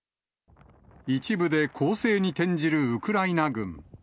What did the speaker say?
一部で攻勢に転じるウクライナ軍。